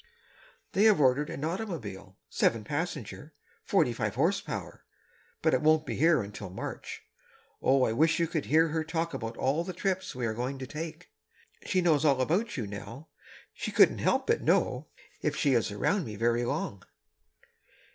They have ordered an automobile, seven passenger—45 horsepower, but it won't be here until March. Oh, I wish you would hear her talk about all the trips we are going to take. She knows all about you, Nell. She couldn't help but know if she is around me very long.